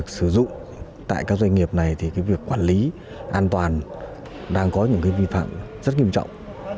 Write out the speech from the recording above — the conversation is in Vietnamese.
sử dụng tại các doanh nghiệp này thì cái việc quản lý an toàn đang có những vi phạm rất nghiêm trọng